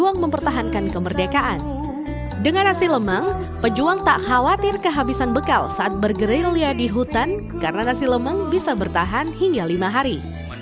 nasi lemang bisa bertahan hingga lima hari